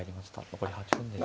残り８分です。